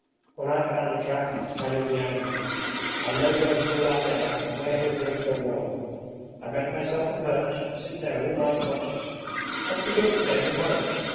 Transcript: When I have found a track I know the animal. I know where he will lie down and where he'll drink or wallow. I make myself a perch and sit there all night watching. What's the good of staying at home?